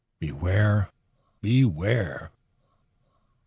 Beware! Beware!